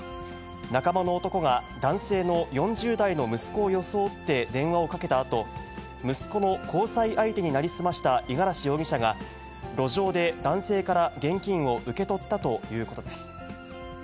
仲間の男が男性の４０代の息子を装って電話をかけたあと、息子の交際相手に成り済ました五十嵐容疑者が、路上で男性から現金を受け取ったということです。